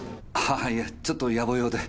ああいやちょっと野暮用で。